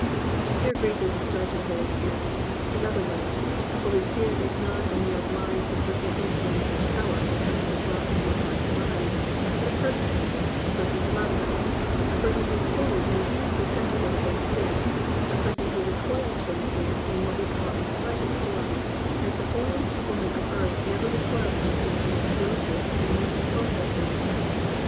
"+ Here grief is ascribed to the Holy Spirit. In other words, the Holy Spirit is not a mere blind impersonal influence or power that comes to dwell in your heart and mine, but a person, a person who loves us, a person who is holy and intensely sensitive against sin, a person who recoils from sin in what we call its slightest forms as the holiest woman of earth never recoiled from sin in its grossest and most repulsive forms.